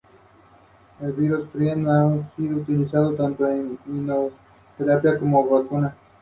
Además, miembros del Congreso renunciaron a la bancada oficialista.